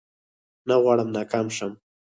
نه غواړم ناکام شم